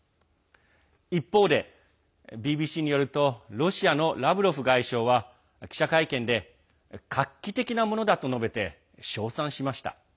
一方で、ＢＢＣによるとロシアのラブロフ外相は記者会見で画期的なものだと述べて称賛しました。